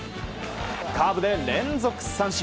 カーブで連続三振。